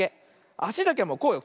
あしだけはこうよ。